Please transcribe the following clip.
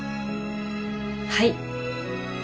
はい。